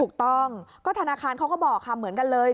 ถูกต้องก็ธนาคารเขาก็บอกค่ะเหมือนกันเลย